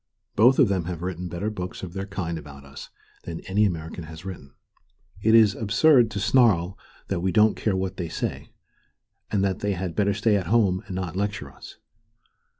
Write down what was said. Both of them have written better books of their kind about us than any American has written. It is absurd to snarl that we don't care what they say, and that they had better stay at home and not lecture us.